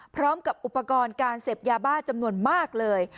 พร้อมกับอุปกรณ์การเสพยาบ้าจำนวนมากเลย